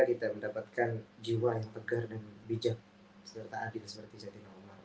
kita mendapatkan jiwa yang tegar dan bijak serta adil seperti saya dengar